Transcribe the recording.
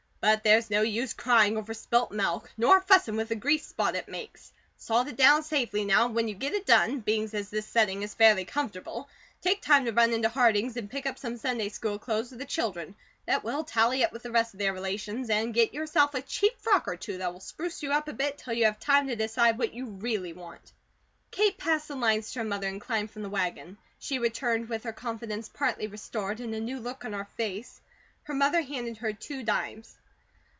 But there's no use crying over spilt milk, nor fussin' with the grease spot it makes; salt it down safely now, and when you get it done, beings as this setting is fairly comfortable, take time to run into Harding's and pick up some Sunday school clothes for the children that will tally up with the rest of their relations'; an' get yourself a cheap frock or two that will spruce you up a bit till you have time to decide what you really want." Kate passed the lines to her mother, and climbed from the wagon. She returned with her confidence partly restored and a new look on her face. Her mother handed her two dimes.